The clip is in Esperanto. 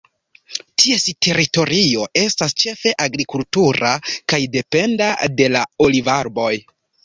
Ties teritorio estas ĉefe agrikultura kaj dependa de la olivarboj.